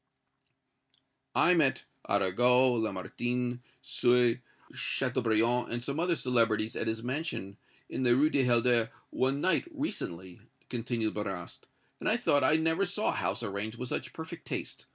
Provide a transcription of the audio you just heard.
"I met Arago, Lamartine, Sue, Châteaubriand and some other celebrities at his mansion in the Rue du Helder one night, recently," continued Marrast, "and I thought I never saw a house arranged with such perfect taste.